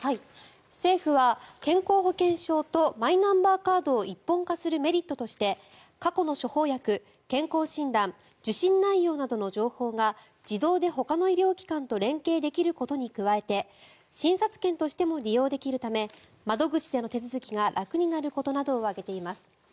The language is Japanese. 政府は健康保険証とマイナンバーカードを一本化するメリットとして過去の処方薬、健康診断受診内容などの情報が自動でほかの医療機関と連携できることに加えて診察券としても利用できるため窓口での手続きが楽になることなどを挙げています。